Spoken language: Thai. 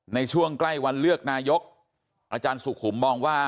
ในช่วงใกล้วันเลือกนายกอาจารย์สุขุมมองว่า